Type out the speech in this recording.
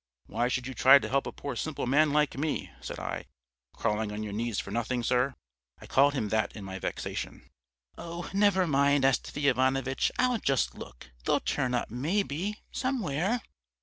"'Why should you try to help a poor simple man like me,' said I, 'crawling on your knees for nothing, sir?' I called him that in my vexation. "'Oh, never mind, Astafy Ivanovitch, I'll just look. They'll turn up, maybe, somewhere.'